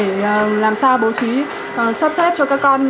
làm sao bố trí sắp xếp cho các con